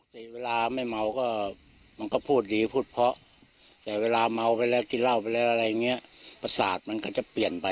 สามารถเค้าก็กลัวไหมครับ